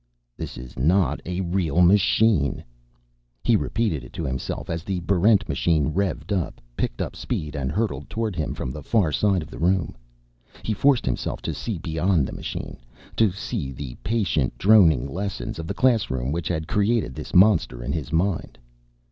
This is not a real machine. He repeated it to himself as the Barrent machine revved up, picked up speed, and hurtled toward him from the far side of the room. He forced himself to see beyond the machine, to see the patient droning lessons of the classroom which had created this monster in his mind.